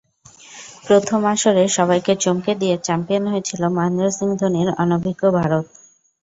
প্রথম আসরে সবাইকে চমকে দিয়ে চ্যাম্পিয়ন হয়েছিল মহেন্দ্র সিং ধোনির অনভিজ্ঞ ভারত।